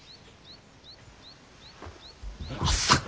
まさか！